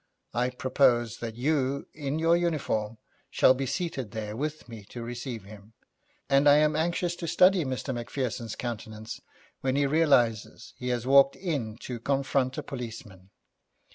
I propose that you, in your uniform, shall be seated there with me to receive him, and I am anxious to study Mr. Macpherson's countenance when he realises he has walked in to confront a policeman.